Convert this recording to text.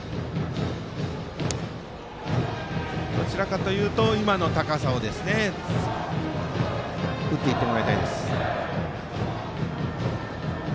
どちらかというと今の高さを打っていってもらいたいです。